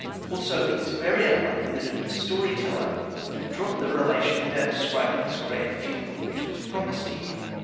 Also it is very unlikely that a mere story teller would have dropped the relation without describing his grand funeral which was promised to him.